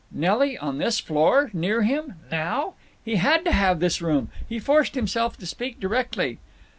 Nelly on this floor! Near him! Now! He had to have this room. He forced himself to speak directly.